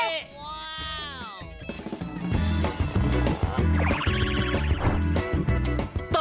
ว้าว